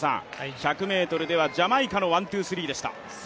１００ｍではジャマイカのワン・ツー・スリーでした。